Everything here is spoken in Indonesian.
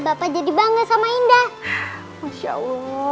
mas dhani sama indah masuk dulu ya